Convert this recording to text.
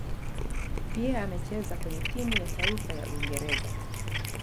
Pia amecheza kwenye timu ya taifa ya Uingereza.